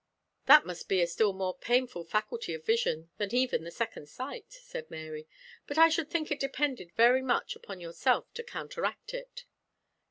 "That must be a still more painful faculty of vision than even the second sight," said Mary; "but I should think it depended very much upon yourself to counteract it."